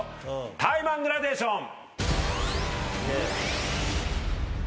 タイマングラデーション！